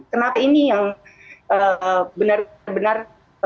kenapa ini yang benar benar